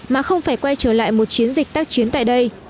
mà không phải quay trở lại một chiến dịch tác chiến tại đây